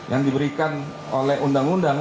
yang diberikan oleh undang undang